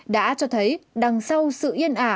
đã cho thấy đằng sau sự yên ả